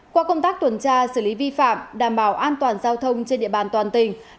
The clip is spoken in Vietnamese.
qua công tác tuần tra xử lý vi phạm đảm bảo an toàn giao thông trên địa bàn toàn tỉnh